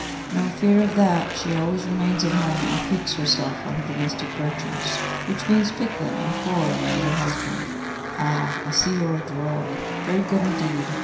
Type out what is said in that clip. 'No fear of that. She always remains at home and piques herself on her domestic virtues, which means pickling, and quarrelling with her husband.' 'Ah! I see you are a droll. Very good indeed.